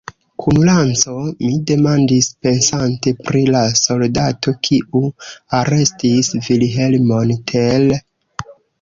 Kun lanco? mi demandis, pensante pri la soldato, kiu arestis Vilhelmon Tell.